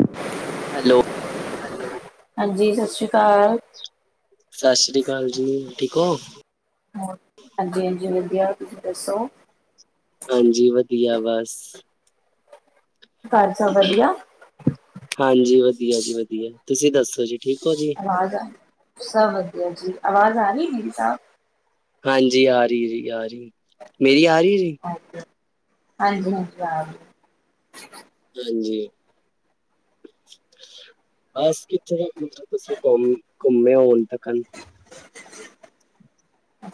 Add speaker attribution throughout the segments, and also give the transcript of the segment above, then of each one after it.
Speaker 1: ਅ ਸੱਸ।
Speaker 2: ਹੈਲੋ।
Speaker 1: ਹਾਂਜੀ। ਸਤਿ ਸ੍ਰੀ ਅਕਾਲ।
Speaker 2: ਸਤਿ ਸ੍ਰੀ ਅਕਾਲ ਜੀ। ਠੀਕ ਹੋ।
Speaker 1: ਹਾਂਜੀ। ਹਾਂਜੀ। ਵਧੀਆ। ਤੁਸੀਂ ਦੱਸੋ।
Speaker 2: ਹਾਂਜੀ। ਵਧੀਆ। ਬਸ।
Speaker 1: ਘੱਲ। ਸਭ ਵਧੀਆ।
Speaker 2: ਹਾਂਜੀ। ਵਧੀਆ ਜੀ। ਵਧੀਆ। ਤੁਸੀਂ ਦੱਸੋ ਜੀ। ਠੀਕ ਹੋ ਜੀ।
Speaker 1: ਵਾ ਆ ਸਭ ਵਧੀਆ ਜੀ ਆਵਾਜ਼ ਆ ਰਹੀ ਮੇਰੀ ਸਬ [inaudible]
Speaker 2: ਹਾਂਜੀ ਆ ਰਹੀ ਜੀ ਆ ਰਹੀ ਮੇਰੀ ਆ ਰਹੀ ਜੀ-
Speaker 1: ਹਾਂਜੀ-ਹਾਂਜੀ ਹਾਂ।
Speaker 2: ਹਾਂਜੀ [inaudible] ਬਸ ਕਿੱਥੇ ਤਲ ਤੁਸੀਂ ਘੁੰਮ ਘੁੰਮੇ ਹੋ ਹੋੁਣ ਤੱਕ [inaudible] ਸਸ।
Speaker 1: ਅਂ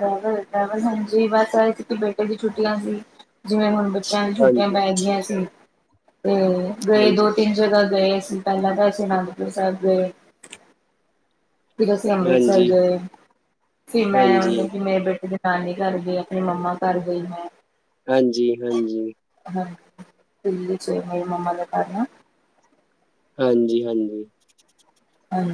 Speaker 1: ਡੈਵਲ ਡਰੈਵਲ। ਹਾਂਜੀ। ਬਹੇ ਸੀ ਕਿ ਬੇਟੇ ਦੀ ਛੁੱਟੀਆਂ ਸੀ। ਜਿਵੇਂ ਹੁਣ। ਬੱਚਿਆਂ ਨੂੰ ਛੁੱਟੀਆਂ
Speaker 2: ਹਾਂਜੀ,
Speaker 1: ਪਏ ਗਈਆਂ ਸੀ। ਤੇ ਗਏ
Speaker 2: ਹਾਂਜੀ,
Speaker 1: ਦੋ ਤਿੰਨ ਜਗੋਂ ਗਏ ਅ। ਸੀਂ ਪਹਿਲਾਂ ਤਾਂ। ਅਸੀਂ ਅਨੰਦਪੁਰ ਸਾਹਿਬ ਗਏ। ਫੇਰ ਅਸੀਂ ਅੰਮ੍ਰਿਤਸਰ
Speaker 2: ਹਾਂਜੀ,
Speaker 1: ਗਏ। ਫੇ ਮੈਂ
Speaker 2: ਹਾਂਜੀ,
Speaker 1: ਮਤਲਬ ਕਿ। ਮੇਰੇ ਬੈਠੇ ਦੇ। ਨਾਨੀ ਘਰ ਗਈ। ਆਪਣੀ ਮੰਮਾ ਘਰ ਗਈ। ਮੈਂ।
Speaker 2: ਹਾਂਜੀ। ਹਾਂਜੀ।
Speaker 1: ਹਾਂਜੀ। ਜ ਮੇਰੀ ਮੰਮਾ ਦੇ ਬਾਰੇ।
Speaker 2: ਹਾਂਜੀ। ਹਾਂਜੀ।
Speaker 1: ਹਾਂ।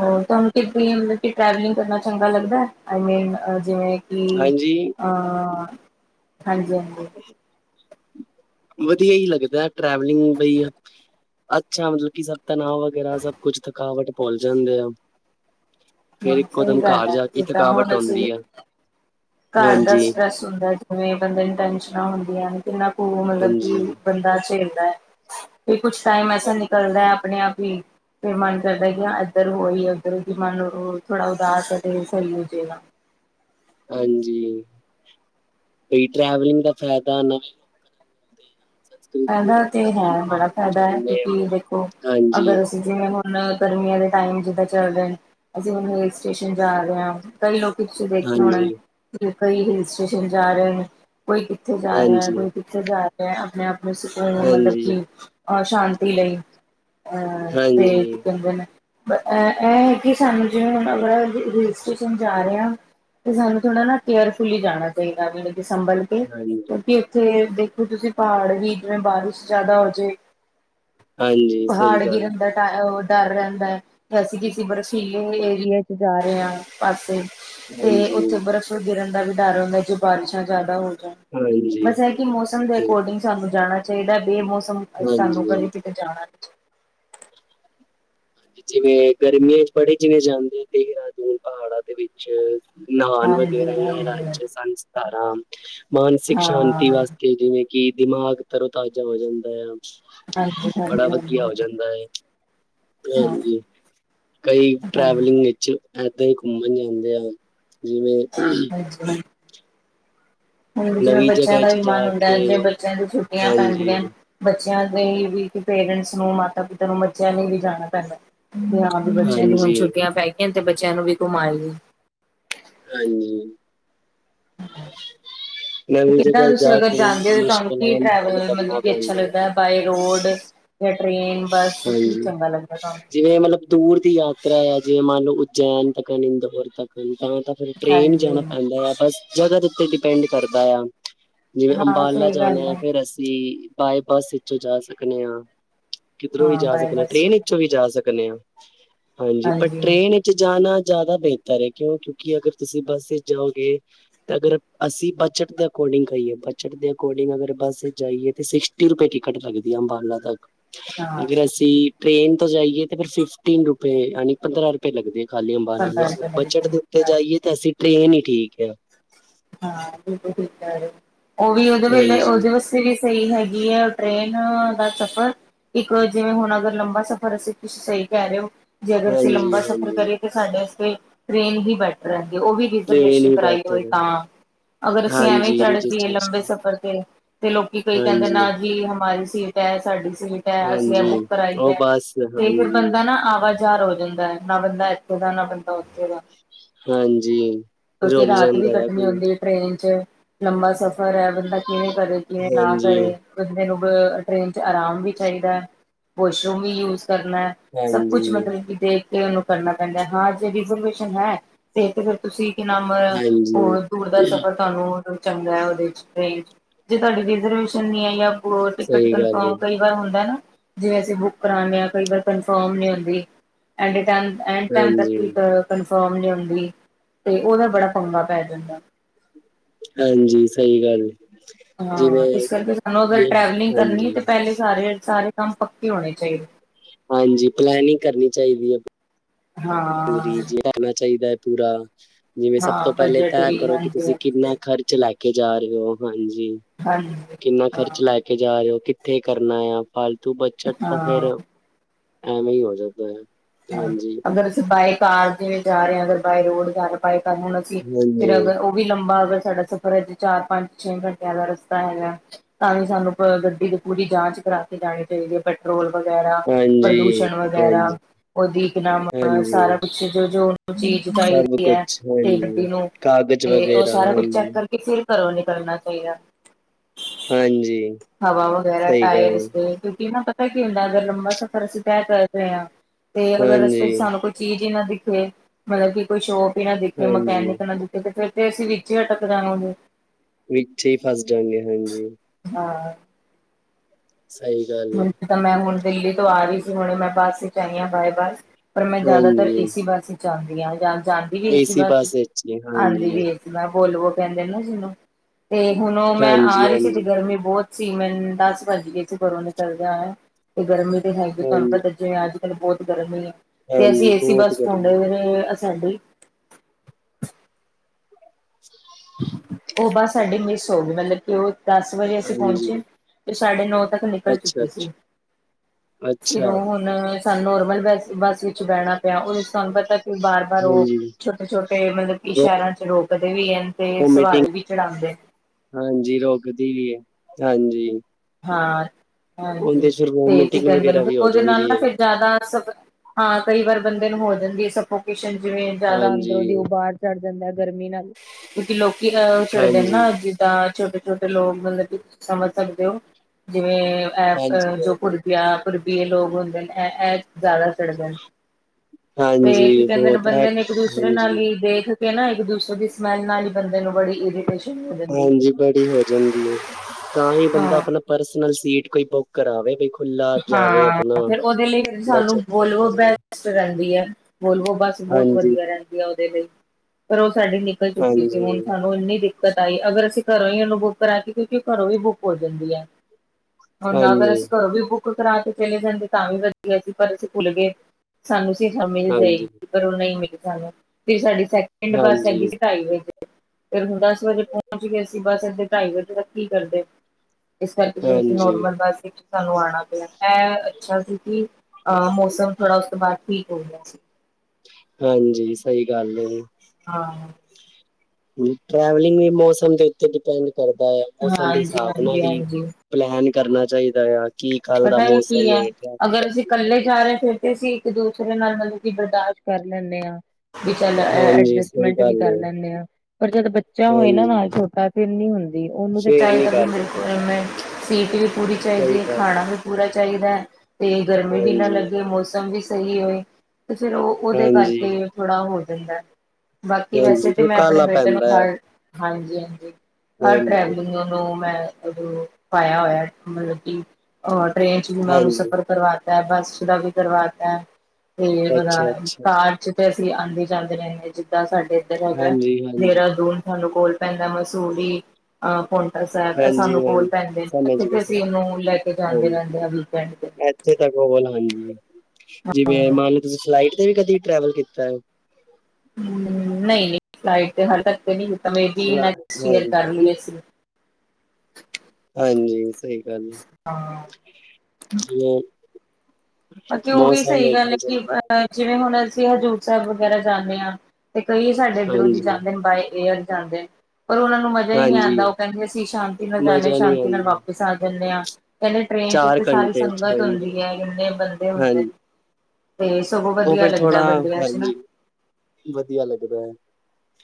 Speaker 1: ਹ। ਤੁਹਾਨੂੰ ਕਿਨਾ ਟੈਵਲਿੰਗ ਕਰਨਾ ਚੰਗਾ ਲੱਗਦਾ ਹੈ? ਮਨ ਜਿਵੇਂ।
Speaker 2: ਹਾਂਜੀ
Speaker 1: ਅ। ਹਾਂਜੀ। ਹਾਂਜੀ।
Speaker 2: ਹ। ਵਧੀਆ ਹੀ ਲੱਗਦਾ ਟਰੈਵਲਿੰਗ। ਬਈ ਅੱਛਾ। ਮਤਲਬ ਕਿ ਸਭ। ਤਣਾਅ ਵਗੈਰਾ। ਸਭ ਕੁਛ। ਥਕਾਵਟ ਭੁੱਲ ਜਾਂਦੇ ਆ। ਫੇਰ
Speaker 1: ਹਾਂ
Speaker 2: ਇੱਕੋ
Speaker 1: ਸਹੀ
Speaker 2: ਦਮ।
Speaker 1: ਗੱਲ
Speaker 2: ਘਰ
Speaker 1: ਹੈ
Speaker 2: ਜਾ ਕੇ
Speaker 1: ਜਿੱਦਾਂ
Speaker 2: ਥਕਾਵਟ
Speaker 1: ਹੁਣ
Speaker 2: ਆਉਂਦੀ
Speaker 1: ਅਸੀਂ
Speaker 2: ਆ।
Speaker 1: ਘਰ ਦਾ
Speaker 2: ਹਾਂਜੀ,
Speaker 1: ਸਟਰ੍ਰੈਸ ਹੁੰਦਾ। ਜਿਵੇਂ ਬੰਦੇ ਨੂੰ ਟੈਸ਼ਨਾਂ ਹੁੰਦੀਆਂ। ਕਿੰਨਾ ਕੁ। ਮਤਲਬ ਕਿ।
Speaker 2: ਹਾਂਜੀ,
Speaker 1: ਬੰਦਾ ਝੇਲਦਾ ਹੈ। ਤੇ ਕੁਛ ਟਾਈਮ ਐਸਾ ਨਿਕਲਦਾ ਹੈ। ਆਪਣੇ ਆਪ ਹੀ। ਫਿਰ ਮਨ ਕਰਦਾ ਕਿ ਇੱਧਰ ਹੋਈ। ਉੱਧਰ ਦੀ ਮਨ ਥੋੜਾ। ਉਦਾਸ। ਅਤੇ ਸਹੀ ਹੋ ਜਾਵੇਗਾ।
Speaker 2: ਹਾਂਜੀ। ਬਈ ਟਰੈਵਲਿੰਗ ਦਾ ਫਾਇਦਾ ਨਾ ਵੇ।
Speaker 1: ਫਾਇਦਾ ਤੇ ਹੈ।
Speaker 2: ਖਾਣ-ਪਾਣ
Speaker 1: ਬੜਾ
Speaker 2: ਨੂੰ
Speaker 1: ਫਾਇਦਾ ਹੈ।
Speaker 2: ਜਾਣਦੇ
Speaker 1: ਕਿਉਂਕਿ
Speaker 2: ਹਾਂ,
Speaker 1: ਦੇਖੋ
Speaker 2: ਹਾਂਜੀ,
Speaker 1: ਅਗਰ। ਜਿਵੇ ਹੁ ਗਰਮੀਆਂ ਦੇ ਟਾਈਮ ਜਿਦਾ ਚਲ ਰਹੇ। ਅਸੀ ਹੁਣ ਹਿੱਲ ਸਟੇਸ਼ਨ ਜਾ ਰਹੇ ਆ ਕਈ ਲੋਕੀ। ਤੁਸੀਂ ਦੇਖੇ ਹੋਣਾ।
Speaker 2: ਹਾਂਜੀ,
Speaker 1: ਕਈ ਹਿਲ ਸਟੇਸ਼ਨ ਜਾ ਰਹੇ ਨੇ। ਕੋਈ ਕਿੱਥੇ ਜਾ ਰਿਹਾ।
Speaker 2: ਹਾਂਜੀ।
Speaker 1: ਕੋਈ ਕਿੱਥੇ ਜਾ ਰਿਹਾ। ਆਪਣੇ ਆਪਣੇ ਸੁਪਨ ਨੂੰ। ਮਤਲਬ
Speaker 2: ਹਾਂਜੀ,
Speaker 1: ਕਿ। ਅਹ। ਸ਼ਾਂਤੀ ਲਈ। ਅਹ। ਤੇ ਕੀ
Speaker 2: ਹਾਂਜੀ,
Speaker 1: ਕਹਿੰਦੇ ਨੇ। ਇਹ ਹੈ ਕਿ। ਸਾਨੂੰ ਜਿਵੇਂ। ਹੁਣ ਅਸੀ ਹਿੱਲ ਸਟੇਸ਼ਨ ਜਾ ਰਹੇ ਹਾਂ ਤੇ ਸਾਨੂੰ ਥੋੜਾ। ਨਾ ਕੇਅਰਫੁਲੀ ਜਾਣਾ ਚਾਹੀਦਾ। ਵੀ ਕਿ ਸੰਭਲ।
Speaker 2: ਹਾਂਜੀ।
Speaker 1: ਕਿਉਂਕਿ ਉੱਥੇ ਦੇਖੋ। ਤੁਸੀਂ ਪਹਾੜ। ਵੀ ਜਿਵੇਂ ਬਾਰਿਸ਼ ਜਿਆਦਾ ਹੋ ਜਾਵੇ।
Speaker 2: ਹਾਂਜੀ, ਸਹੀ
Speaker 1: ਪਹਾੜ
Speaker 2: ਗੱਲ,
Speaker 1: ਗਿਰਨਦਾ। ਡਰ ਰਹਿੰਦਾ ਹੈ। ਤੇ ਅਸੀਂ ਕਿਸੇ ਬਰਸੀੀਲੇ ਏਰੀਏ 'ਚ ਜਾ ਰਹੇ ਹਾਂ। ਪਾਸੇ ਤੇ
Speaker 2: ਹਾਂਜੀ,
Speaker 1: ਉੱਥੇ ਬਰਫ਼ ਗਿਰਨ ਦਾ ਵੀ ਡਰ ਹੁੰਦਾ ਹੈ। ਜੋ ਬਾਰਿਸ਼ਾਂ ਜ਼ਿਆਦਾ ਹੋ ਜਾਣ।
Speaker 2: ਹਾਂਜੀ,
Speaker 1: ਵਸਾ ਹੈ ਕਿ। ਮੌਸਮ ਦੇ ਅਕੋਰਡਿੰਗ। ਸਾਨੂੰ ਜਾਣਾ ਚਾਹੀਦਾ। ਬੇਮੌਸਮ। ਸਾਨੂੰ
Speaker 2: ਹਾਂਜੀ।
Speaker 1: ਕਰਰੇਟ ਜਾਣਾ।
Speaker 2: ਜਿਵੇਂ ਗਰਮੀਆਂ 'ਚ ਬੜੇ। ਜਿਵੇਂ ਜਾਂਦੇ। ਦੇਹਰਾਦੂਨ ਪਹਾੜਾਂ ਦੇ ਵਿੱਚ। ਨਾਨ
Speaker 1: ਹਾਂਜੀ
Speaker 2: ਵਗੈਰਾ
Speaker 1: ਹਾਂਜੀ
Speaker 2: ਲਹਿਰਾਜ ਸੰਸਥਾਰਾਂ ਮਾਨਸਿਕ
Speaker 1: ਹਾਂ
Speaker 2: ਸ਼ਾਂਤੀ ਵਾਸਤੇ ਤੇ ਜਿਵੇਂ ਕਿ ਦਿਮਾਗ ਤਰੋ ਤਾਜ਼ਾ ਹੋ ਜਾਂਦਾ ਆ
Speaker 1: ਹਾਂਜੀ ਹਾਂਜੀ
Speaker 2: ਬੜਾ ਵਧੀਆ
Speaker 1: ਹਾਂਜੀ
Speaker 2: ਹੋ ਜਾਂਦਾ ਹੈ
Speaker 1: ਹਾਂ
Speaker 2: ਹਾਂਜੀ ਕਈ
Speaker 1: ਹਾਂਜੀ
Speaker 2: ਟਰੈਵਲਿੰਗ ਵਿੱਚ ਇਏਦਾਂ ਹੀ ਘੁੰਮਣ ਜਾਂਦੇ ਆ ਜਿਵੇਂ
Speaker 1: ਅੱਛਾ ਹੁਣ ਜਿਵੇਂ
Speaker 2: ਨਵੀਂ
Speaker 1: ਬੱਚਿਆਂ
Speaker 2: ਜਗ੍ਹਾ
Speaker 1: ਦਾ
Speaker 2: 'ਚ
Speaker 1: ਵੀ ਮਨ
Speaker 2: ਜਾ
Speaker 1: ਹੁੰਦਾ ਹੈ
Speaker 2: ਕੇ
Speaker 1: ਜਿਵੇਂ ਬੱਚਿਆਂ ਦੀ ਛੁੱਟੀਆਂ
Speaker 2: ਹਾਂਜੀ,
Speaker 1: ਪੈਂਦੀਆਂ ਹਨ ਬੱਚਿਆਂ ਲਈ ਵੀ ਪੇਰੈਂਟਸ ਨੂੰ ਮਾਤਾ ਪਿਤਾ ਨੂੰ ਬੱਚਿਆਂ ਲਈ ਵੀ ਜਾਣਾ ਪੈਂਦਾ ਬੱਚਿਆਂ ਦੀ ਹੁਣ
Speaker 2: ਹਾਂਜੀ,
Speaker 1: ਛੁੱਟੀਆਂ ਪੈ ਗਈਆਂ ਤੇ ਬੱਚਿਆਂ ਨੂੰ ਵੀ ਘੁਮਾ ਲਈਏ
Speaker 2: ਹਾਂਜੀ [inaudible] ਨਵੀਂ
Speaker 1: ਕਿੱਦਾਂ
Speaker 2: ਜਗ੍ਹਾ
Speaker 1: ਤੁਸੀਂ
Speaker 2: ਜਾ
Speaker 1: ਅਗਰ
Speaker 2: ਕੇ
Speaker 1: ਜਾਂਦੇ ਹੋ ਤੁਹਾਨੂੰ ਕੀ
Speaker 2: ਮੁਸ਼ਕਿਲਾਂ ਦਾ ਹੱਲ
Speaker 1: ਟ੍ਰੈਵਲ ਮਤਲਬ
Speaker 2: ਕਰਨਾ
Speaker 1: ਕੀ ਅੱਛਾ
Speaker 2: ਪੈਂਦਾ
Speaker 1: ਲੱਗਦਾ ਬਾਏ ਰੋਡ ਜਾਂ ਟ੍ਰੇਨ ਬੱਸ। ਕੀ
Speaker 2: ਹਾਂਜੀ।
Speaker 1: ਚੰਗਾ ਲੱਗਦਾ ਤੁਹਾਨੂੰ।
Speaker 2: ਜਿਵੇਂ ਮਤਲਬ ਦੂਰ ਦੀ ਯਾਤਰਾ। ਆ ਜਿਵੇਂ ਮੰਨ ਲਓ। ਉਜੈਨ ਤੱਕ। ਇੰਦੋੌਰ ਤੱਕ। ਤਾਂ ਤਾਂ ਫਿਰ। ਟ੍ਰੇਨ ਜਾਣਾ
Speaker 1: ਹਾਂਜੀ
Speaker 2: ਪੈਂਦਾ ਆ। ਬਸ ਜਗ੍ਹਾ ਦੇ ਉੱਤੇ ਡਿਪੈਂਡ ਕਰਦਾ ਆ। ਜਿਵੇਂ
Speaker 1: ਹਾਂ
Speaker 2: ਅੰਬਾਲਾ
Speaker 1: ਸਹੀ ਗੱਲ
Speaker 2: ਜਾਣਾ ਆ।
Speaker 1: ਹੈ
Speaker 2: ਫ਼ਿਰ ਅਸੀਂ ਬਾਏਬਸ ਵਿੱਚੋਂ ਜਾ ਸਕਦੇ ਹਾਂ। ਕਿੱਧਰੋਂ ਵੀ
Speaker 1: ਹਾਂ
Speaker 2: ਜਾ
Speaker 1: ਬਾਏ
Speaker 2: ਸਕਦੇ
Speaker 1: ਬੱਸ
Speaker 2: ਟ੍ਰੇਨ ਵਿੱਚੋਂ ਵੀ ਜਾ ਸਕਦੇ ਹਾਂ ਹਾਂਜੀ ਪਰ ਟ੍ਰੇਨ ਜਾਣਾ ਜ਼ਿਆਦਾ ਬਿਹਤਰ ਹੈ ਕਿਉਂ ਕਿਉਂਕਿ ਅਗਰ ਤੁਸੀਂ ਬੱਸ ਵਿਚ ਜਾਓਗੇ ਤੇ ਅਗਰ ਅਸੀਂ ਬਜਟ ਦੇ ਅਕੋਰਡਿੰਗ ਕਹੀਏ ਬਜਟ ਦੇ ਅਕੋਡਿੰਗ ਅਗਰ ਬਸ ਜਾਈਏ ਤੇ ਟੀ ਰੁਪਏ ਟਿਕਟ ਲਗਦੀ ਹੈ ਅੰਬਾਲਾ ਤੱਕ
Speaker 1: ਹਾਂ
Speaker 2: ਅਗਰ ਅਸੀਂ ਟ੍ਰੇਨ ਤੋਂ ਜਾਈਏ ਤੇ ਫਿਰ ਫਿਫਟੀਨ ਰੁਪਏ ਯਾਨ ਪ ੇ ਲੱਗਦੇ ਆ ਖਾਲੀ ਅੰਬਾਲ
Speaker 1: ਕੰਪੇਅਰ
Speaker 2: ਬਜਟ ਦੇ
Speaker 1: ਕਰਨ
Speaker 2: ਉੱਤੇ ਜਾਈਏ ਤਾਂ ਅਸੀ ਟ੍ਰੇਨ ਹੀ ਠੀਕ ਆ
Speaker 1: ਹਾਂ ਬਿਲਕੁਲ ਠੀਕ ਕਹਿ ਰਹੇ ਉਹ ਵੀ ਉਹਦੇ ਵੇਲੇ ਉਹ
Speaker 2: ਹਾਂਜੀ
Speaker 1: ਦੇਸ ਵੀ ਸਹੀ ਹੈਗੀ ਹੈ ਟ੍ਰੇਨ ਦਾ ਸਫ਼ਰ ਇੱਕ ਜਿਵੇਂ ਹੁਣ ਅਗਰ ਲੰਬਾ ਸਫ਼ਰ ਅਸੀਂ ਕੁਛ ਸਹੀ ਕਹਿ ਰਹੇ ਹੋ ਜੇ ਅਗਰ ਅਸੀਂ
Speaker 2: ਹਾਂਜੀ
Speaker 1: ਲੰਬਾ ਸਫ਼ਰ
Speaker 2: ਹਾਂਜੀ
Speaker 1: ਕਰੀਏ ਸਾਡੇ ਉਤੇ ਟ੍ਰੇਨ ਹੀ ਬੈਟਰ ਹੈ ਉਹ ਵੀ ਰਜ਼ਰਵੇ
Speaker 2: ਟ੍ਰੇਨ ਹੀ
Speaker 1: ਕਰ ਹੋਵੇ
Speaker 2: ਬਿਹਤਰ ਹੈ
Speaker 1: ਤਾਂ ਅਗਰ ਅਸੀਂ ਐਵੇਂ
Speaker 2: ਹਾਂਜੀ
Speaker 1: ਚੜਦੀਈਏ ਲੰਬੇ
Speaker 2: ਰਜਿਸਟ੍ਰੇਸ਼ਨ
Speaker 1: ਸਫ਼ਰ ਤੇ ਤੇ ਲੋਕੀ ਕਈ ਕਹਿੰਦੇ
Speaker 2: ਹਾਂਜੀ
Speaker 1: ਨਾ ਜੀ ਹਮਾਰੀ ਸੀ ਸਾਡੀ ਸੀਟ ਹੈ ਅਸੀਂ ਇਹ
Speaker 2: ਹਾਂਜੀ
Speaker 1: ਬੁੱਕ ਕਰਾਈ
Speaker 2: ਉਹ
Speaker 1: ਹੈ
Speaker 2: ਬਸ
Speaker 1: ਤੇ ਫਿਰ
Speaker 2: ਹਾਂਜੀ
Speaker 1: ਬੰਦਾ ਨਾ ਆਵਾਜ ਤਾਰ ਹੋ ਜਾਂਦਾ ਹੈ ਨਾ ਬੰਦਾ ਇੱਥੇ ਦਾ ਨਾ ਬੰਦਾ ਉੱਥੇ ਦਾ
Speaker 2: ਹਾਂਜੀ ਰੁਲ ਜਾਂਦਾ ਆ ਕੋਈ
Speaker 1: ਟਰੇਨ ਚ ਲੰਬਾ ਸਫ਼ਰ ਹੈ, ਬੰਦਾ ਕਿਵੇਂ ਕਰੇ ਕਿਵੇਂ ਨਾ
Speaker 2: ਹਾਂਜੀ
Speaker 1: ਕਰੇ। ਬੰਦੇ ਨੂੰ ਟ੍ਰੇਨ ਚ ਆਰਾਮ ਵੀ ਚਾਹੀਦਾ ਹੈ, ਵਾਸ਼ਰੂਮ ਵੀ ਯੂਜ ਕਰਨਾ। ਸਭ ਕੁਛ
Speaker 2: ਹਾਂਜੀ
Speaker 1: ਮਤਲਬ ਕਿ ਦੇਖ ਕੇ ਉਹਨੂੰ ਕਰਨਾ ਪੈਂਦਾ ਹਾਂ ਜੇ ਰਿਜਰਵੇਸ਼ਨ ਹੈ, ਤੇ ਤੇ ਫਿਰ ਤੁਸੀਂ- ਨਾਮ ਹੋਰ
Speaker 2: ਹਾਂਜੀ
Speaker 1: ਦੂਰ ਦਾ ਸਫ਼ਰ ਤੁਹਾਨੂੰ ਚੰਗਾ ਹੈ ਉਹਦੇ ਜੇ ਤੁਹਾਡੀ ਰਿਜਰਵੇਸ਼ਨ ਜਾਂ- ਟਿਕਟ
Speaker 2: ਸਹੀ ਗੱਲ ਹੈ
Speaker 1: ਕਮਫਰ ਕਈ ਵਾਰ ਹੁੰਦਾ ਨਾ, ਜਿਵੇਂ ਅਸੀਂ ਬੁੱਕ ਕਰਾਉਂਦੇ ਆਂ, ਕਈ ਵਾਰ ਕਫਰਮ ਨਹੀ ਹੁੰਦੀ।
Speaker 2: ਹਾਂਜੀ
Speaker 1: [unintelligible] ਤੇ ਉਹਦਾ ਬੜਾ ਪੰਗਾ ਪੈ ਜਾਂਦਾ।
Speaker 2: ਹਾਂਜੀ, ਸਹੀ ਗੱਲ।
Speaker 1: ਹਾਂ
Speaker 2: ਜਿਵੇਂ
Speaker 1: ਇਸ ਕਰਕੇ ਸਾਨੂੰ ਅਗਰ
Speaker 2: ਇਹ
Speaker 1: ਟਰੈਵਲਿੰਗ ਕਰਨੀ,
Speaker 2: ਹਾਂਜੀ
Speaker 1: ਤਾਂ ਪਹਿਲੇ ਸਾਰੇ ਸਾਰੇ ਕੰਮ ਪੱਕੇ ਹੋਣੇ ਚਾਹੀਦੇ।
Speaker 2: ਹਾਂਜੀ, ਪਲੈਨਿੰਗ ਕਰਨੀ ਚਾਹੀਦੀ ਹੈ। ਪੂਰੀ
Speaker 1: ਹਾਂ
Speaker 2: ਜਿਵੇਣਾ ਚਾਹੀਦਾ ਹੈ ਪੂਰਾ ਜਿਵੇਂ ਸਭ
Speaker 1: ਹਾਂ
Speaker 2: ਤੋਂ ਪਹਿਲੇ
Speaker 1: ਬਜਟ
Speaker 2: ਤੈਅ
Speaker 1: ਵੀ
Speaker 2: ਕਰੋ, ਕਿ
Speaker 1: ਹਾਂਜੀ
Speaker 2: ਤੁਸੀਂ ਕਿੰਨਾ
Speaker 1: ਹਾਂਜੀ।
Speaker 2: ਖਰਚ- ਲੈ ਕੇ ਜਾ ਰਹੇ ਹੋ, ਹਾਂਜੀ,
Speaker 1: ਹਾਂਜੀ
Speaker 2: ਕਿੰਨਾ ਖਰਚ
Speaker 1: ਹਾਂ
Speaker 2: ਲੈ ਕੇ- ਕੇ ਜਾ ਜਾਓ ਕਿੱਥੇ ਕਰਨਾ ਆ, ਫਾਲਤੂ ਬੱਚਤ ਤਾਂ ਫਿਰ-
Speaker 1: ਹਾਂ
Speaker 2: ਐਵੇ ਹੀ ਹੋ ਜਾਂਦਾ ਹੈ।
Speaker 1: ਹਾਂ,
Speaker 2: ਹਾਂਜੀ
Speaker 1: ਅਗਰ ਅਸੀਂ ਬਾਏ ਕਾਰ ਦੇ ਵਿੱਚ ਜਾ ਰਹੇ ਹ, ਅਗਰ ਬਾਏ ਰੋਡ ਜਾ ਰਹੇ ਏ ਕਰਨ ਹੁਣ ਅਸੀਂ ਫਿਰ
Speaker 2: ਹਾਂਜੀ
Speaker 1: ਅਗਰ [unintelligible] ਵੀ ਲੰਬਾ ਅਗਰ ਸਾਡਾ ਸਫ਼ਰ ਹੈਜ ਚਾਰ, ਪੰਜ, ਛੇ ਘੰਟਿਆਂ ਦਾ ਰਸਤਾ ਹੈਗਾ ਤਾਂ ਵੀ ਸਾਨੂੰ ਬ ਗੱਡੀ ਪੂਰੀ ਜਾਂਚ ਕਰਾ ਕੇ ਜਾਏ। ਤੇ ਪੈਟਰੋਲ ਵਗੈਰਾ,
Speaker 2: ਹਾਂਜੀ
Speaker 1: ਪ੍ਰਦੂਸ਼ਣ ਵਗੈਰਾ।
Speaker 2: ਹਾਂਜੀ
Speaker 1: ਉਹਦੀ ਇਕਨਾਮ ਸਾਰਾ
Speaker 2: ਹਾਂਜੀ
Speaker 1: ਕੁਛ ਜੋ ਜੋ ਚੀਜ਼
Speaker 2: ਸਭ
Speaker 1: ਚਾਹੀਦੀ ਹੈ
Speaker 2: ਕੁਛ
Speaker 1: ਤੇ ਗਟੀ
Speaker 2: ਹਾਂਜੀ
Speaker 1: ਨੂੰ
Speaker 2: ਕਾਗਜ਼
Speaker 1: ਤੇ ਉਹ
Speaker 2: ਵਗੈਰਾ
Speaker 1: ਸਾਰਾ ਕੁਛ ਚੈੱਕ
Speaker 2: ਹਾਂਜੀ
Speaker 1: ਕਰਕੇ ਫਿਰ ਘਰੋਂ ਨਿਕਲਣਾ ਚਾਹੀਦਾ।
Speaker 2: ਹਾਂਜੀ
Speaker 1: ਹਵਾ ਵਗੈਰਾ
Speaker 2: ਸਹੀ ਗੱਲ
Speaker 1: ਟਾਇਰ ਇਸਦੇ ਕਿਉਂਕਿ ਨਾ- ਪਤਾ ਕੀ ਹੁੰਦਾ ਅਗਰ ਲੰਬਾ ਸਫ਼ਰ ਅਸੀਂ ਤੈਅ ਕਰ ਰਹੇ ਹਾਂ, ਤੇ ਅਗਰ ਰਸਤੇ ਚ
Speaker 2: ਹਾਂਜੀ
Speaker 1: ਸਾਨੂੰ ਕੋਈ ਚੀਜ਼ ਹੀ ਨਾ ਦਿਖੇ, ਮਤਲਬ ਕਿ ਕੋਈ ਸ਼ੋਪ ਹੀ ਨਾ ਦਿਖੇ
Speaker 2: ਹਾਂਜੀ
Speaker 1: ਮਕੈਨਿਕ ਨਾ ਦਿਖੇ ਤੇ ਫਿਰ ਤੇ ਅਸੀਂ ਵਿੱਚ ਈ ਹਟਕ ਜਾਵਾਂਗੇ।
Speaker 2: ਵਿੱਚੇ ਹੀ ਫਸ ਜਾਂਗੇ ਹਾਂਜੀ।
Speaker 1: ਹਾਂ।
Speaker 2: ਸਹੀ ਗੱਲ ਏ।
Speaker 1: ਹੁਣ ਤਾਂ ਮੈਂ ਹੁਣ ਦਿੱਲੀ ਤੋਂ ਆ ਹੀ ਸੀ, ਹੁਣੇ ਮੈਂ ਬੱਸ ਚੇ ਆਈ ਆਂ, ਬਾਏ ਪਾਸ, ਪਰ ਮੈਂ ਜ਼ਿਆਦਾਤਰ
Speaker 2: ਹਾਂਜੀ
Speaker 1: ਏਸੀ ਬੱਸ ਚ ਜਾਂਦੀਆਂ ਜਾਂ ਜਾਂਦੀ ਏਸੀ ਬਸ
Speaker 2: ਬੱਸ
Speaker 1: ਇਚ,
Speaker 2: ਵਿੱਚ ਹੀ
Speaker 1: ਹਾਂਜੀ ਵੇ ਮੈਂ ਵੋਲਵੋ ਕਹਿੰਦੇ ਨਾ ਜਿਹਨੂੰ, ਤੇ ਹੁਣ ਉਹ ਮੈਂ
Speaker 2: ਹਾਂਜੀ,
Speaker 1: ਆ ਰਹੀ
Speaker 2: ਹਾਂਜੀ,
Speaker 1: ਸੀ ਗਰਮੀ ਬੋਤ ਸੀਮੈਂਨਟ ਦਸ ਭੱਜ ਕੇ ਘਰੋਂ ਨਿਕਲ ਗਿਆ ਹੈ ਤੇ ਗਰਮੀ ਤੇ ਹੈਗੀ ਕਿ ਤੁਹਾਨੂੰ
Speaker 2: ਹਾਂਜੀ,
Speaker 1: ਪਤਾ ਜਿਵੇਂ ਅੱਜ ਕਲ੍ਹ ਬਹੁਤ ਗਰਮੀ ਆ ਤੇ ਅਸੀਂ
Speaker 2: ਹਾਂਜੀ
Speaker 1: ਏਸੀ
Speaker 2: ਬਹੁਤ
Speaker 1: ਬੱਸ
Speaker 2: ਗਰਮੀ
Speaker 1: ਪਾਉਂਦੇ ਅਸਡੀ
Speaker 2: [unintelligible]
Speaker 1: ਉਹ ਬਸ ਸਾਡੀ ਮਿਸ ਹੋ ਗਈ, ਮਤਲਬ ਕਿ ਉਹ ਦਸ ਵਜੇ ਅਸੀਂ
Speaker 2: ਹਾਂਜੀ,
Speaker 1: ਪਹੁੰਚੇ ਤੇ ਸਾਡੇ ਨੌ ਤੱਕ ਨਿਕਲ
Speaker 2: ਅੱਛਾ,
Speaker 1: ਚੁੱਕੇ ਸੀ।
Speaker 2: ਅੱਛਾ, ਅੱਛਾ।
Speaker 1: ਸਿਰੋਂ ਹੁਣ ਸਾਨੂੰ ਨੋਰਮਲ ਬਸ ਬੱਸ ਵਿੱਚ ਬਹਿਣਾ ਪਿਆ, ਉਹਦੇ ਸਾਨੂੰ ਪਤਾ ਕਿ ਬਾਰ -ਬਾਰ ਉਹ
Speaker 2: ਹਾਂਜੀ
Speaker 1: ਛੋਟੇ ਮਤਲਬ ਕਿ ਸ਼ਹਿਰਾਂ ਚ ਰੋਕਦੇ ਵੀ ਅਨ, ਤੇ
Speaker 2: ਵੋਮੀਟਿੰਗ
Speaker 1: ਸਵਾਰੀ ਵੀ ਚੜਾਉਦੇ
Speaker 2: ਹਾਂਜੀ, ਰੋਕਦੀ ਵੀ ਏ ਹਾਂਜੀ।
Speaker 1: ਹਾਂ
Speaker 2: ਉਹਦੇ
Speaker 1: ਹਾਂਜੀ
Speaker 2: ਚ ਫਿਰ
Speaker 1: ਤੇ
Speaker 2: ਵੋਮੀਟਿੰਗ
Speaker 1: ਚਿਕਨ ਗਰਮ
Speaker 2: ਵਗੈਰਾ
Speaker 1: ਫ
Speaker 2: ਵੀ ਹੋ
Speaker 1: ਉਹਦੇ ਨਾਲ
Speaker 2: ਜਾਂਦੀ
Speaker 1: ਨਾ
Speaker 2: ਹੈ,
Speaker 1: ਫਿਰ ਜ਼ਿਆਦਾ ਸਭ ਹਾਂ ਕਈ ਵਾਰ ਬੰਦੇ ਨੂੰ ਹੋ ਜਾਂਦੀ ਏ ਸਕੋ। ੲਸ਼ਨ ਜਿਵੇਂ ਜ਼ਿਆਦਾ ਅੰਦਰੋਂ ਦੀ
Speaker 2: ਹਾਂਜੀ,
Speaker 1: ਉਬਾਹਾਰ ਚੜ ਜਾਂਦਾ ਗਰਮੀ ਨਾਲ। ਕਿਉਂਕਿ ਲੋਕੀ ਅ ਛੜਦੇ ਨੇ
Speaker 2: ਹਾਂਜੀ, ਹਾਂਜੀ,
Speaker 1: ਨਾ, ਜਿੱਦਾਂ ਛੋਟੇ ਛੋਟੇ ਲੋਕ ਮਤਲਬ ਕਿ ਸਮਝ ਸਕਦੇ ਉ। ਜਿਵੇਂ ਇਹ
Speaker 2: ਹਾਂਜੀ।
Speaker 1: ਅ ਜੋ ਪੁੜਬਆ, ਪੜਬੀਏ ਲੋਕ ਹੁੰਦੇ ਨੇ ਅ ਅ ਜ਼ਿਆਦਾ ਤੇ ਕੀ
Speaker 2: ਹਾਂਜੀ
Speaker 1: ਕਹਿੰਦੇ ਨੇ
Speaker 2: ਬਹੁਤ ਐ
Speaker 1: ਬੰਦੇ ਨੇ ਇੱਕ ਦੂਸਰੇ ਨਾਲ
Speaker 2: ਹਾਂਜੀ,
Speaker 1: ਹੀ ਦੇਖ ਨਾ ਇੱਕ ਦੂਸਰੇ ਦੀ ਸਮੈਲ ਨਾਲ ਇ ਬੰਦੇ ਨੂੰ ਬੜੀ ਇਰੀਟੇਸ਼ਨ ਹੋ ਜਾਂਦੀ ਹੈ।
Speaker 2: ਹਾਂਜੀ ਬੜੀ ਹੋ ਜਾਂਦੀ ਏ, ਤਾਂ ਹੀ ਬੰਦਾ
Speaker 1: ਹਾਂ
Speaker 2: ਆਪਨਾ ਪਰਸਨਲ ਸੀਟ ਕੋਈ ਬੁੱਕ ਕਰਾਵੇ ਵੇਖੋ।
Speaker 1: ਹਾਂ, ਫਿਰ ਉਹਦੇ ਲਈ
Speaker 2: ਬਚਤ
Speaker 1: ਸਾਨੂੰ
Speaker 2: ਨਾ
Speaker 1: ਵੋਲਵੋ ਬ
Speaker 2: ਕਰੇ,
Speaker 1: ਰਹਿੰਦੀ ਐ, ਵੋਲਵੋ ਬਸ ਬਹੁਤ
Speaker 2: ਹਾਂਜੀ,
Speaker 1: ਵਧਿਆ ਰਹਿੰਦੀ ਆ ਉਦੇ ਲਈ, ਪਰ ਉਹ ਸਾਡੀ ਨਿੱ ਨਿਕਲ ਚੁੱਕੀ ਸੀ, ਹੁਣ
Speaker 2: ਹਾਂਜੀ।
Speaker 1: ਸਾਨੂੰ ਏਨੀ ਦਿ ਪਤਾ ਏ ਅਗਰ ਅਸੀਂ ਘਰੋਂ ਹੀ ਉਹਨੂੰ ਬੁੱਕ ਕਰਾ ਕੇ, ਕਿਉਂਕਿ ਉਹ ਘਰੋਂ ਹੀ ਬੁੱਕ ਹੋ ਜਾਂਦੀ ਆ। ਹੁਣ ਅਗਰ
Speaker 2: ਹਾਂਜੀ,
Speaker 1: ਅਸੀਂ ਘਰੋਂ ਵੀ ਬੁੱਕ ਕਰਾ ਕੇ ਚਲੇ ਜਾਂਦੇ ਤਾਂ ਵੀ ਵਧੀਆ ਸੀ, ਪਰ ਅਸੀਂ ਭੁੱਲ ਗਏ। ਸਾਨੂੰ ਸਿੱਖਾ ਮਿਲ
Speaker 2: ਹਾਂਜੀ,
Speaker 1: ਜਾਏਗੀ, ਪਰ ਉਹ ਨਹੀਂ ਮਿਲੀ ਸਾਨੂੰ, ਫਿਰ ਸਾਡੀ ਸੈ ਪਿੰਡ ਪਾਸੇ ਦੀ
Speaker 2: ਹਾਂਜੀ,
Speaker 1: ਕਟਾਈ ਹੋਈ। ਫਿਰ ਹੁਣ ਦਸ ਵਜੇ ਪਹੁੰਚ ਗਏ ਅਸੀਂ, ਬਸ ਇਥੇ ਢਾਈ ਵਜੇ ਤੱਕ ਕੀ ਕਰਦੇ। ਇਸ ਕਰਕੇ ਫਿਰ ਅਸੀਂ
Speaker 2: ਹਾਂਜੀ,
Speaker 1: ਨੋਰਮਲ ਬੱਸ ਸੀ, ਸਾਨੂੰ ਆਣਾ ਐਹ ਅੱਛਾ ਸੀ, ਕਿ ਅ ਮੌਸਮ ਥੋੜਾ ਉਸ ਤੋਂ ਬਾਅਦ ਠੀਕ ਹੋ ਗਿਆ ਸੀ।
Speaker 2: ਹਾਂਜੀ, ਸਹੀ ਗੱਲ ਏ।
Speaker 1: ਹਾਂ।
Speaker 2: ਟਰੈਵਲਿੰਗ ਵੀ ਮੌਸਮ ਦੇ ਉੱਤੇ ਡਿਪੈਂਡ ਕਰਦਾ ਐ, ਮੌਸਮ ਦੇ
Speaker 1: ਹਾਂਜੀ
Speaker 2: ਹਿਸਾਬ ਨਾਲ
Speaker 1: ਹਾਂਜੀ
Speaker 2: ਈ
Speaker 1: ਹਾਂਜੀ
Speaker 2: ਪਲਾਨ ਕਰਨਾ ਚਾਹੀਦਾ ਆ, ਕੀ ਕੱਲ ਦਾ ਮੌਸਮ ਏ ਕਿਆ ਪਤਾ।
Speaker 1: ਕੱਲੇ ਜਾ ਰਹੇ, ਫਿਰ ਤੇ ਅਸੀਂ ਇੱਕ ਦੂਸਰੇ ਨਾਲ ਮਤਲਬ ਕਿ ਬਰਦਾਸ਼ਤ ਕਰ ਲੈਂਨੇ ਆਂ। ਵੀ ਚੱਲ ਅ ਅ
Speaker 2: ਹਾਂਜੀ ਸਹੀ
Speaker 1: ਅਡਜੈਸਟਮੈਂਟ ਵੀ
Speaker 2: ਗੱਲ
Speaker 1: ਕਰ
Speaker 2: ਏ
Speaker 1: ਲੈਂਨੇ ਆਂ, ਪਰ ਜਦ ਬੱਚਾ ਹੋਏ ਨਾ
Speaker 2: ਹਾਂਜੀ
Speaker 1: ਨਾਲ ਛੋਟਾ ਫਿਰ ਨੀ ਹੁੰਦੀ, ਉਹਨੂੰ ਤੇ
Speaker 2: ਫੇਰ ਨੀ
Speaker 1: ਚਾਹੀਦਾ ਵੀ
Speaker 2: ਕਰ
Speaker 1: ਮੇਰੇ
Speaker 2: ਸਕ
Speaker 1: ਕੋਲ ਮੈਂ ਸੀਟ ਵੀ ਪੂਰੀ ਚਾਹੀਦੀ
Speaker 2: ਸਹੀ
Speaker 1: ਏ।
Speaker 2: ਗੱਲ
Speaker 1: ਪੂਰਾ ਚਾਹੀਦਾ ਐ, ਤੇ ਗਰਮੀ ਵੀ ਨਾ
Speaker 2: ਹਾਂਜੀ,
Speaker 1: ਲੱਗੇ, ਮੌਸਮ ਵੀ ਸਹੀ ਹੋਏ। ਤੇ ਫਿਰ ਉਹ ਉਹਦੇ
Speaker 2: ਹਾਂਜੀ,
Speaker 1: ਕਰਕੇ ਥੋੜਾ ਹੋ ਜਾਂਦਾ। ਬਾਕੀ ਵੈਸੇ
Speaker 2: ਹਾਂਜੀ
Speaker 1: ਤੇ
Speaker 2: ਫਿਰ
Speaker 1: ਮੈਂ ਅਪਨੇ
Speaker 2: ਕਾਹਲਾ
Speaker 1: ਬੇਟੇ ਨੂੰ
Speaker 2: ਪੈਂਦਾ ਆ
Speaker 1: ਹਰ, ਹਾਂਜੀ- ਹਾਂਜੀ ਹਰ
Speaker 2: ਹਾਂਜੀ,
Speaker 1: ਟ੍ਰੈਵਲਿੰਗ ਉਹ ਮੈਂ ਓ ਪਾਇਆ ਹੋਇਆ ਏ, ਮਤਲਬ ਕਿ ਅ ਟ੍ਰੇਨ ਚ ਵੀ ਮੈਂ ਉਹਨੂੰ
Speaker 2: ਹਾਂਜੀ
Speaker 1: ਸਫ਼ਰ ਕਰਵਾ ਤਾ ਬੱਸ ਦਾ ਵੀ ਕਰਵਾਤਾ, ਤੇ ਉਹਦਾ
Speaker 2: ਅੱਛਾ, ਅੱਛਾ
Speaker 1: ਕਾਰ ਚ ਤੇ ਅਸੀਂ ਆਂਦੇ ਜਾਂਦੇ ਰਹਿਨੇ ਆਂ, ਜਿੱਦਾ ਸਾਡੇ ਇੱਧਰ ਹੈਗਾ
Speaker 2: ਹਾਂਜੀ, ਹਾਂਜੀ,
Speaker 1: ਦੇਹਰਾਦੂਨ। ਤੁਹਾਨੂੰ ਕੋਲ ਪੈਂਦਾ ਮੰਸੂਰੀ। ਅੰ ਪੌਂਟਾ ਸਾਹਿਬ
Speaker 2: ਹਾਂਜੀ,
Speaker 1: ਸਾਨੂੰ ਕੋਲ
Speaker 2: ਹਾਂਜੀ
Speaker 1: ਪੈਂਦੇ ਨੇ,
Speaker 2: ਸਮਝ ਗਏ
Speaker 1: ਇਥੇ ਅਸੀਂ
Speaker 2: ਸਮਝ-
Speaker 1: ਉਹਨੂੰ ਲੈ ਕੇ ਜਾਂਦੇ
Speaker 2: ਹਾਂਜੀ
Speaker 1: ਰਹਿੰਦੇ ਆ, ਵੀਕਐਂਡ ਤੇ
Speaker 2: ਇੱਥੇ ਤਾ ਕੋਲ ਹਾਂਜੀ, ਜਿਵੇਂ ਮੰਨ ਲਓ ਤੁਸੀਂ ਫਲਾਈਟ ਤੇ ਵੀ ਕਦੀ ਟ੍ਰੈਵਲ ਕੀਤਾ ਐ।
Speaker 1: ਹੂੰ, ਨਹੀਂ-ਨਹੀਂ ਫਲਾਈਟ ਤੇ ਹਾਲੇ ਤੱਕ ਤੇ ਨਹੀਂ ਕੀਤਾ, ਮੇ ਬੀ ਨੈਕਸਟ ਈਅਰ
Speaker 2: ਹਾਂਜੀ
Speaker 1: ਕਰ ਲਈਏ ਅਸੀ।
Speaker 2: ਹਾਂਜੀ, ਸਹੀ ਗੱਲ, ਹੂੰ
Speaker 1: ਬਾਕੀ ਉਹ ਵੀ ਸਹੀ ਗੱਲ ਹੈ, ਕਿ ਅ ਜਿਵੇਂ ਹੁਣ ਅਸੀਂ ਹਜ਼ੂਰ ਸਾਹਿਬ ਵਗੈਰਾ ਜਾਂਨੇ ਆਂ ਤੇ ਕਈ ਸਾਡੇ ਇਧਰੋਂ ਦੀ
Speaker 2: ਹਾਂਜੀ
Speaker 1: ਜਾਂਦੇ ਨੇ, ਬਾਏ ਏਅਰ ਜਾਂਦੇ ਨੇ, ਪਰ ਉਹਨਾਂ ਨੂੰ ਮਜ਼ਾ ਹੀ ਨਹੀਂ
Speaker 2: ਹਾਂਜੀ
Speaker 1: ਆਂਦਾ, ਉਹ ਕਹਿੰਦੇ ਅਸੀਂ ਸ਼ਾਂਤੀ ਨਾਲ ਜਾਂਨੇ ਆਂ,
Speaker 2: ਮਜ਼ਾ ਨਹੀਂ
Speaker 1: ਸ਼ਾਂਤੀ ਨਾਲ
Speaker 2: ਆਉਂਦਾ
Speaker 1: ਵਾਪਿਸ ਆ ਜਾਂਨੇ ਆਂ। ਕਹਿੰਦੇ ਟ੍ਰੇਨ ਚ
Speaker 2: ਚਾਰ
Speaker 1: ਤੇ ਸਾਰੀ
Speaker 2: ਘੰਟੇ ਚ
Speaker 1: ਸੰਗਤ
Speaker 2: ਹਾਂਜੀ
Speaker 1: ਹੁੰਦੀ ਐ, ਇੰਨੇ ਬੰਦੇ ਹੁੰਦੇ ਨੇ,
Speaker 2: ਹਾਂਜੀ
Speaker 1: ਤੇ ਸਗੋਂ
Speaker 2: ਉਹ
Speaker 1: ਵਧੀਆ
Speaker 2: ਫਿਰ
Speaker 1: ਲੱਗਦਾ
Speaker 2: ਥੋੜਾ,
Speaker 1: ਬੰਦਿਆਂ ਚ ਨਾ
Speaker 2: ਹਾਂਜੀ, ਵਧੀਆ ਲੱਗਦਾ।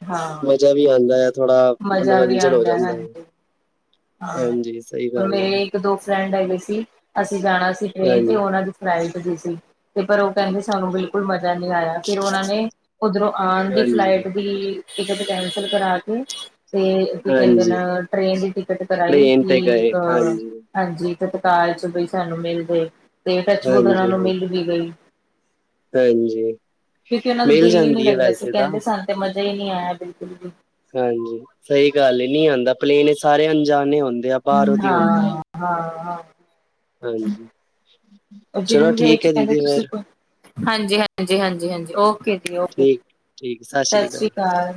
Speaker 1: ਹਾਂ।
Speaker 2: ਮਜ਼ਾ ਵੀ ਆਂਦਾ, ਥੋੜਾ
Speaker 1: ਮਜ਼ਾ ਵੀ
Speaker 2: ਮਨੋਰੰਜਨ ਹੋ
Speaker 1: ਆਉਂਦਾ
Speaker 2: ਜਾਂਦਾ ਐ।
Speaker 1: ਹਾਂਜੀ ਹਾਂ, ਮੇਰੇ
Speaker 2: ਹੈ
Speaker 1: ਇੱਕ ਦੋ ਫਰੈਂਡ ਹੈਗੇ ਸੀ, ਅਸੀਂ ਜਾਣਾ ਸੀ ਟ੍ਰੇਨ ਤੇ
Speaker 2: ਹਾਂਜੀ
Speaker 1: ਉਹਨਾਂ ਦੀ ਫਲਾਈਟ ਦੀ ਸੀ, ਤੇ ਪਰ ਉਹ ਕਹਿੰਦੇ ਸਾਨੂੰ ਬਿਲਕੁਲ ਮਜ਼ਾ ਨਹੀਂ ਆਇਆ, ਫਿਰ ਉਹਨਾਂ ਨੇ ਉਧਰੋਂ ਆਣ ਦੀ
Speaker 2: ਹਾਂਜੀ
Speaker 1: ਫਲਾਈਟ ਦੀ ਟਿਕਟ ਕੈਂਸਲ ਕਰਾ ਕੇ ਤੇ ਕੀ ਕਹਿੰਦੇ
Speaker 2: ਹਾਂਜੀ
Speaker 1: ਨਾ ਟ੍ਰੇਨ ਦੀ ਟਿਕਟ ਕਰਾਈ,
Speaker 2: ਟ੍ਰੇਨ ਤੇ
Speaker 1: ਕਿ
Speaker 2: ਗਏ
Speaker 1: ਅ
Speaker 2: ਹਾਂਜੀ
Speaker 1: ਹਾਂਜੀ ਤਤਕਾਲ ਚ ਬਈ ਸਾਨੂੰ ਮਿਲਦੇ, ਤੇ ਟੱਚਵੁਡ ਉਹਨਾਂ
Speaker 2: ਹਾਂਜੀ
Speaker 1: ਨੂੰ ਮਿਲ ਵੀ ਗਈ।
Speaker 2: ਹਾਂਜੀ
Speaker 1: ਕਿਉਂਕਿ ਉਹਨਾ ਦਾ
Speaker 2: ਮਿਲ
Speaker 1: ਦਿਲ ਹੀ ਨੀ
Speaker 2: ਜਾਂਦੀ ਹੈ
Speaker 1: ਲੱਗਦਾ ਸੀ,
Speaker 2: ਵੈਸੇ ਤਾਂ
Speaker 1: ਕਹਿੰਦੇ ਸਨ ਤੇ ਮਜ਼ਾ ਹੀ ਨਹੀਂ ਆਇਆ ਬਿਲਕੁਲ ਵੀ।
Speaker 2: ਹਾਂਜੀ ਸਹੀ ਗੱਲ ਹੀ ਨੀ ਆਉਂਦਾ ਪਲੇਨ ਸਾਰੇ ਅਣਜਾਣੇੇ ਹੁੰਦੇ ਆ ਬਾਹਰੋਂ ਦੀ ਹੁੰਦੇ ਆ
Speaker 1: ਹਾਂ, ਹਾਂ, ਹਾਂ।
Speaker 2: ਹਾਂਜੀ ਚਲੋ
Speaker 1: ਜਿਨ ਵੇਅ
Speaker 2: ਠੀਕ
Speaker 1: ਚ
Speaker 2: ਹੈ
Speaker 1: ਕਹਿੰਦੇ
Speaker 2: ਦੀਦੀ
Speaker 1: ਤੁਸੀਂ
Speaker 2: ਫੇਰ
Speaker 1: [inaudible] ਹਾਂਜੀ-ਹਾਂਜੀ-ਹਾਂਜੀ-ਹਾਂਜੀ, ਓਕੇ ਜੀ ਓਕੇ,
Speaker 2: ਠੀਕ ਠੀਕ ਸਤਿ ਸ੍ਰੀ
Speaker 1: ਸਸ ਰੀ
Speaker 2: ਅਕਾਲ
Speaker 1: ਕਾਲ।